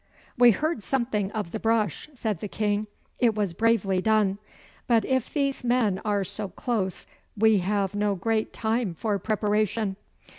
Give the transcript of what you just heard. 'We heard something of the brush,' said the King. 'It was bravely done. But if these men are so close we have no great time for preparation.